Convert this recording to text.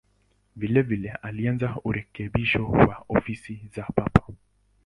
Vilevile alianza urekebisho wa ofisi za Papa.